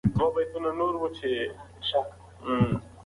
روغتیا ساتل د کورنۍ لومړنی هدف دی ترڅو ژوند کیفیت ښه شي.